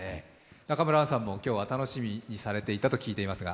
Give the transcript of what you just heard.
中村アンさんも今日は楽しみにされていたと聴いています。